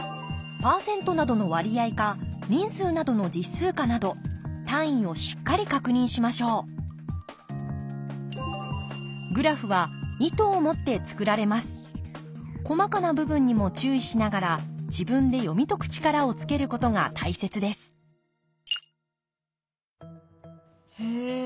％などの割合か人数などの実数かなど単位をしっかり確認しましょう細かな部分にも注意しながら自分で読み解く力をつけることが大切ですへえ。